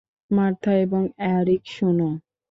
Martha এবং Eric, শোনো!